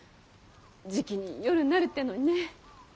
じきに夜になるってぇのにねぇ。